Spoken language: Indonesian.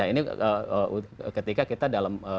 ini ketika kita dalam